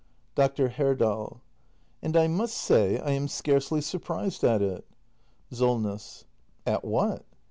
Dr. Herdal. And I must say I am scarcely surprised at it. SOLNESS. At what